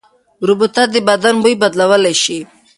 رطوبت د بدن بوی بدلولی شي.